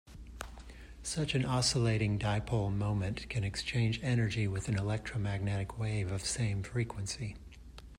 Such an oscillating dipole moment can exchange energy with an electromagnetic wave of same frequency.